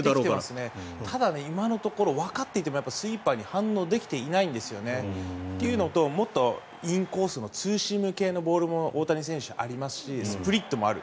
ただ、今のところわかっていてもスイーパーに反応できていないんですよね。というのともっとインコースのツーシーム系のボールも大谷選手ありますしスプリットもある。